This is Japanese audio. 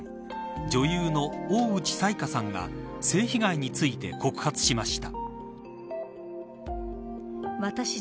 女優の大内彩加さんが性被害について告発しました。